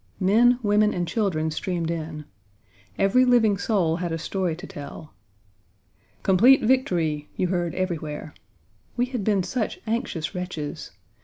Men, women, and children streamed in. Every living soul had a story to tell. "Complete victory," you heard everywhere. We had been such anxious wretches.